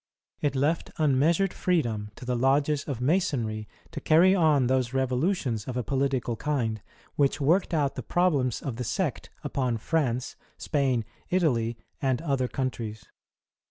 It left unmeasured freedom to the lodges of Masonry to carry on those revolutions of a political kind, which worked out the problems of the sect upon France, Spain, Italy, and otlier countries.